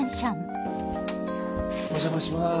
お邪魔します。